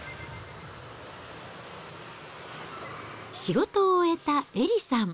仕事を終えたエリさん。